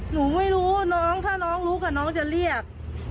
หนูไม่รู้ถ้าน้องลุกน้องจะเรียก